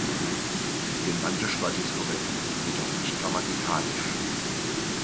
Semantisch war dies korrekt, jedoch nicht grammatikalisch.